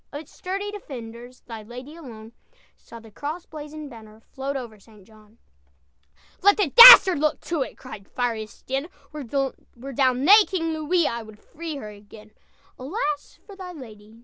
"Of its sturdy defenders, Thy lady alone Saw the cross blazoned banner Float over St. John." "Let the dastard look to it!" Cried fiery Estienne, "Were D'Aulnay King Louis, I'd free her again!" "Alas for thy lady!